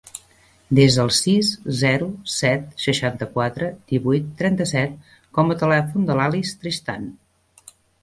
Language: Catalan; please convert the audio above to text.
Desa el sis, zero, set, seixanta-quatre, divuit, trenta-set com a telèfon de l'Alice Tristan.